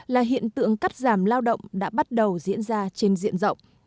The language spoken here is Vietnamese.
là hiện tượng cắt giảm lao động đã bắt đầu diễn ra trên diện rộng